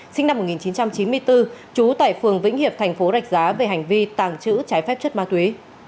sinh năm một nghìn chín trăm chín mươi bốn trú tại phường vĩnh hiệp thành phố rạch giá về hành vi tàng trữ trái phép chất ma túy